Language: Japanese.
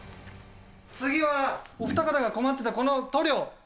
次は、お二方が困っていたこの塗料。